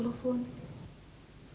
waktu kamu di telepon